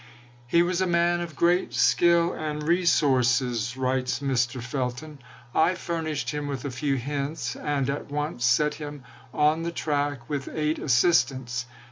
He was a man of great skill and resources [writes Mr. Felton]. I furnished him with a few hints and at once set him on the track with eight assistants.